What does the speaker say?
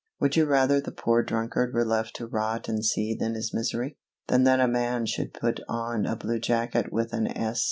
_ Would you rather the poor drunkard were left to rot and seethe in his misery, than that a man should put on a blue jacket with an S.